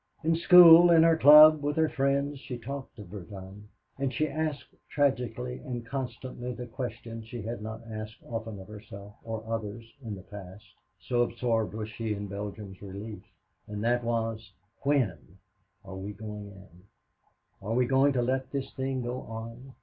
In school, in her club, with her friends, she talked Verdun, and she asked tragically and constantly the question that she had not asked often of herself or others in the past, so absorbed was she in Belgium's relief, and that was, "When are we going in? Are we going to let this thing go on?